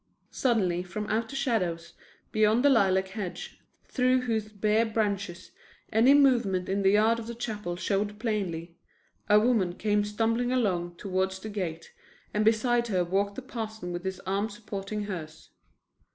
Suddenly from out the shadows beyond the lilac hedge, through whose bare branches any movement in the yard of the chapel showed plainly, a woman came stumbling along towards the gate and beside her walked the parson with his arm supporting hers.